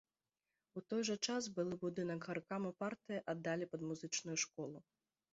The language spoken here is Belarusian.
У той жа час былы будынак гаркаму партыі аддалі пад музычную школу.